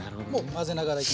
混ぜながらいく。